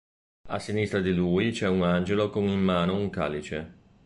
A sinistra di lui c'è un angelo con in mano un calice.